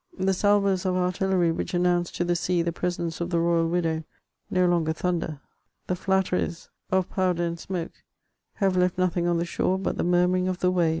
The salvos of artillery which announced to the sea the pre sence of the royal widow, no longer thunder ; the flatteries of powder and smoke have left nothing on the shore but the mur » muring of the waves.